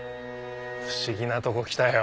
不思議なとこ来たよ